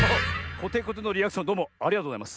コテコテのリアクションどうもありがとうございます。